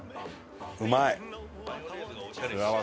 うまい！